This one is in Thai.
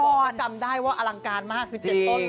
จะบอกว่ากลับได้ว่าอลังการมาก๑๗ต้นลงไปเลย